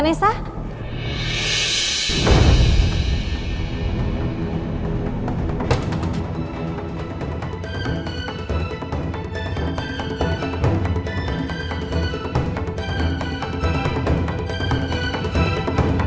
ternyata benar itu naya